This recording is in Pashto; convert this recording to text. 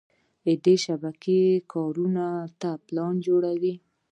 دا شبکه کارونو ته پلان جوړوي.